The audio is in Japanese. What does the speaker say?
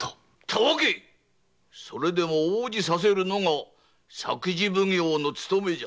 たわけ‼それでも応じさせるのが作事奉行の勤めじゃ。